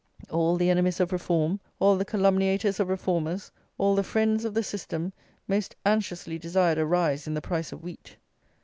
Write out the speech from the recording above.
All the enemies of Reform, all the calumniators of Reformers, all the friends of the System, most anxiously desired a rise in the price of wheat.